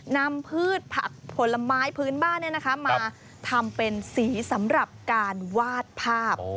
พืชผักผลไม้พื้นบ้านมาทำเป็นสีสำหรับการวาดภาพ